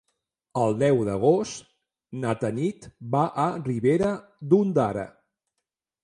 El deu d'agost na Tanit va a Ribera d'Ondara.